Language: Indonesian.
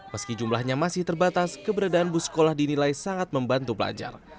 meski jumlahnya masih terbatas keberadaan bus sekolah dinilai sangat membantu pelajar